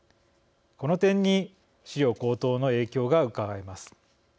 この点に飼料高騰の影響がうかがえます。